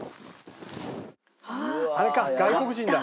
あれか外国人だ。